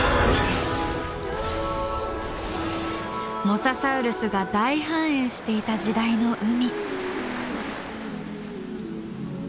モササウルスが大繁栄していた時代の海。